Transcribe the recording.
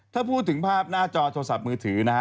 ถ้าพูดถึงภาพหน้าจอโทรศัพท์มือถือนะฮะ